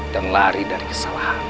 dan lari dari kesalahan